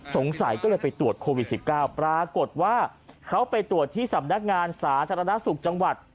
สงสัยก็เลยไปตรวจโควิด๑๙ปรากฏว่าเขาไปตรวจที่สำนักงานสาธารณสุขจังหวัด